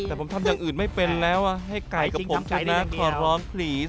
แต่ผมทำอย่างอื่นไม่เป็นแล้วให้ไก่กับผมชนะขอพร้อมผลี